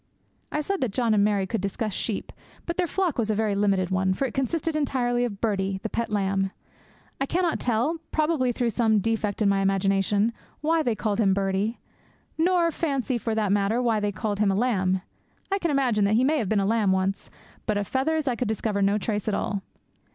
I said that John and Mary could discuss sheep; but their flock was a very limited one, for it consisted entirely of Birdie, the pet lamb. I cannot tell probably through some defect in my imagination why they called him 'Birdie,' nor, for the matter of that, why they called him a lamb. I can imagine that he may have been a lamb once; but of feathers I could discover no trace at all.